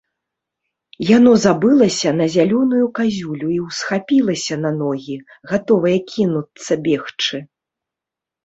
Яно забылася на зялёную казюлю і ўсхапілася на ногі, гатовае кінуцца бегчы.